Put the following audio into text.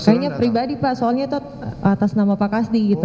kayaknya pribadi pak soalnya itu atas nama pak kasdi gitu